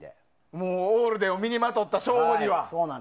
もうオールデンを身にまとった省吾には。